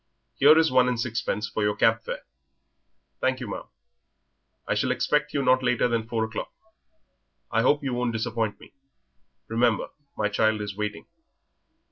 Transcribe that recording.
Here is one and sixpence for your cab fare." "Thank you, ma'am." "I shall expect you not later than four o'clock. I hope you won't disappoint me; remember my child is waiting."